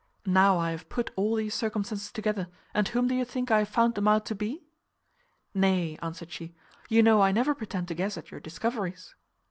Now I have put all these circumstances together, and whom do you think I have found them out to be?" "Nay," answered she, "you know I never pretend to guess at your discoveries."